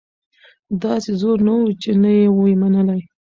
داسي زور نه وو چي نه یې وي منلي